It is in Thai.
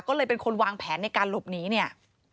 ก็เลยเป็นคนวางแผนในการหลบหนีเนี่ย